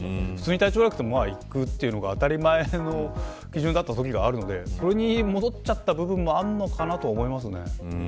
体調悪くても行くというのが当たり前の基準だったときがあるのでそれに戻っちゃった部分もあるのかなと思います。